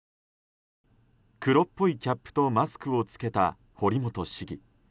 黒っぽいキャップとマスクを着けた堀本市議。